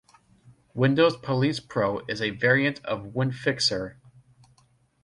Windows Police Pro is a variant of WinFixer.